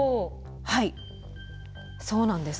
はいそうなんです。